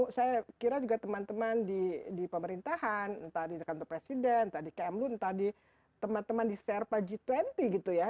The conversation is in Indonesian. cuma saya kira juga teman teman di pemerintahan entah di dekan perpresiden entah di kmu entah di teman teman di serpa g dua puluh gitu ya